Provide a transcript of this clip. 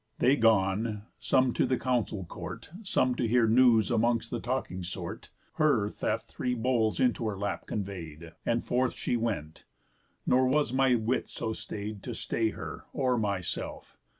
They gone (some to the council court, Some to hear news amongst the talking sort) Her theft three bowls into her lap convey'd, And forth she went. Nor was my wit so stay'd To stay her, or myself.